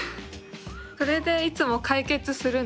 それでいつも解決するの？